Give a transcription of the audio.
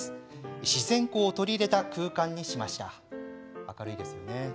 自然光を取り入れた空間にしました。